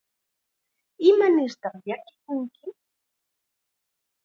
¿Imanirtaq llakikunki?